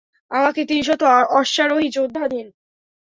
আমাকে তিনশত অশ্বারোহী যোদ্ধা দিন।